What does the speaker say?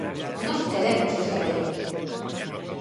¡Nós queremos esa lei!